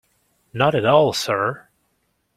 Not at all, sir.